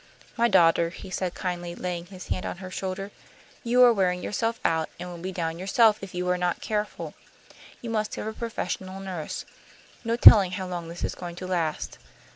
"My daughter," he said, kindly, laying his hand on her shoulder, "you are wearing yourself out, and will be down yourself if you are not careful. You must have a professional nurse. No telling how long this is going to last.